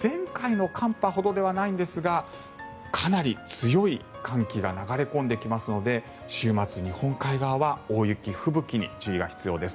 前回の寒波ほどではないんですがかなり強い寒気が流れ込んできますので週末、日本海側は大雪・吹雪に注意が必要です。